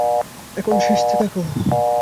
এখন, সেচতে থাকো।